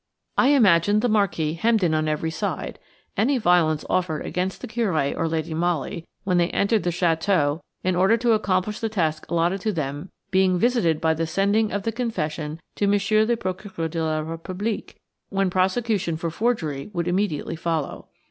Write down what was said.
I imagined the Marquis hemmed in on every side; any violence offered against the Curé or Lady Molly when they entered the château in order to accomplish the task allotted to them being visited by the sending of the confession to Monsieur le Procureur de la République, when prosecution for forgery would immediately follow.